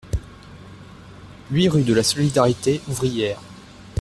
huit rue de la Solidarité Ouvrière